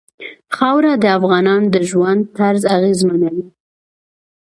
خاوره د افغانانو د ژوند طرز اغېزمنوي.